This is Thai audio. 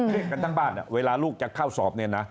เรียกกันทั้งบ้านเวลาลูกจะเข้าสอบเนี่ยนะ